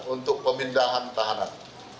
untuk pemindahan tahanan